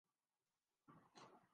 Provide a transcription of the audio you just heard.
ایسی ایسی ادویات ایجاد کی ہیں۔